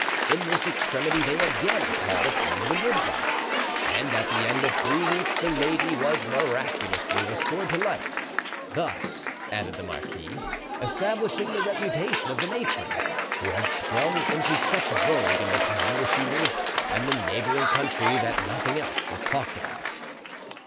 In this extremity they again called in the midwife, and at the end of three weeks the lady was miraculously restored to life, thus, added the marquis, establishing the reputation of the matron, who had sprung into such vogue in the town where she lived and the neighbouring country that nothing else was talked about.